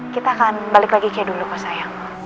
kita akan balik lagi ke dulu kok sayang